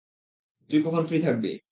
তুই কখন ফ্রি থাকবি?